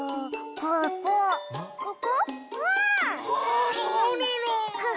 あそうなの！